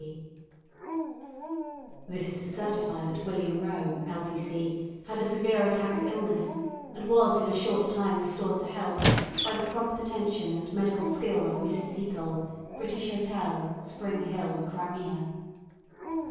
T.C." "This is to certify that Wm. Row, L.T.C, had a severe attack of illness, and was in a short time restored to health by the prompt attention and medical skill of Mrs. Seacole, British Hotel, Spring Hill, Crimea."